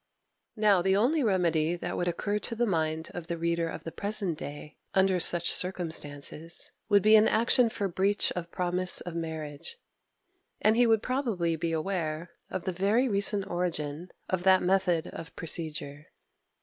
[Footnote 1: Act v. sc. I.] Now, the only remedy that would occur to the mind of the reader of the present day under such circumstances, would be an action for breach of promise of marriage, and he would probably be aware of the very recent origin of that method of procedure.